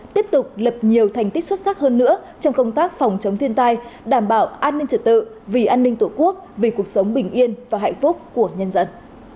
tiếp tục lập nhiều thành tích xuất sắc hơn nữa trong công tác phòng chống thiên tai đảm bảo an ninh trật tự vì an ninh tổ quốc vì cuộc sống bình yên và hạnh phúc của nhân dân